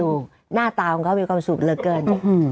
ดูหน้าตาของเขามีความสูบเรื่องเกิน